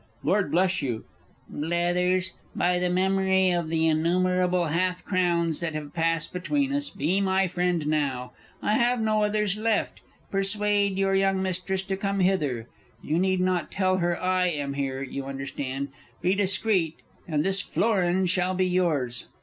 Lord Bleshugh. Blethers, by the memory of the innumerable half crowns that have passed between us, be my friend now I have no others left. Persuade your young Mistress to come hither you need not tell her I am here, you understand. Be discreet, and this florin shall be yours!